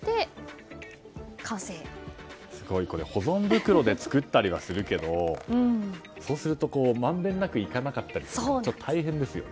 すごい、これ保存袋で作ったりはするけどそうすると、まんべんなくいかなかったり大変ですよね。